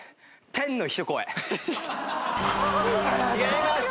違います！